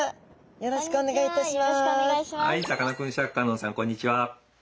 よろしくお願いします。